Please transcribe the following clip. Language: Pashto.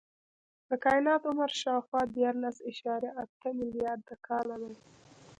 د کائنات عمر شاوخوا دیارلس اعشاریه اته ملیارده کاله دی.